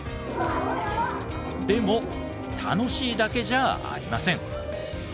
でも楽しいだけじゃありません。